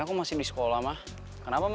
ya aku masih di sekolah ma kenapa ma